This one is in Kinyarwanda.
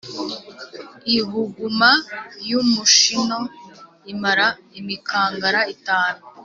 ibuguma y’umushino imira imikangara itanu.